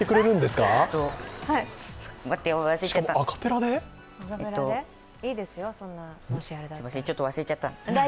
すいません、ちょっと忘れちゃった。